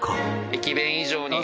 駅弁以上に。